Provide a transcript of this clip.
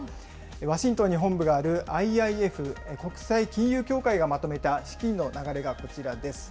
ワシントンに本部があるＩＩＦ・国際金融協会がまとめた資金の流れがこちらです。